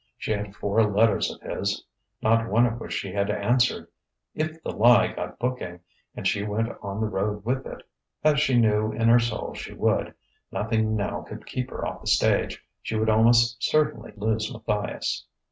She had four letters of his, not one of which she had answered.... If "The Lie" got booking, and she went on the road with it as she knew in her soul she would: nothing now could keep her off the stage she would almost certainly lose Matthias.